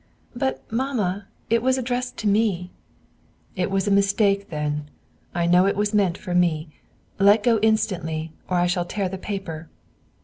"But, Mamma, it was addressed to me" "It was a mistake, then; I know it was meant for me. Let go instantly, or I shall tear the paper.